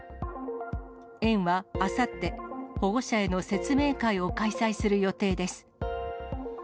園はあさって、保護者への説明会を開催する予定です。